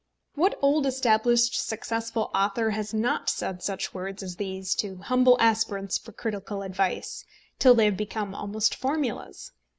What old established successful author has not said such words as these to humble aspirants for critical advice, till they have become almost formulas?